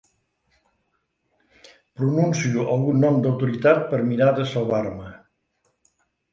Pronuncio algun nom d'autoritat per mirar de salvar-me.